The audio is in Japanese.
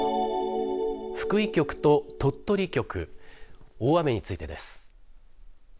福井局と鳥取局大雨についてです。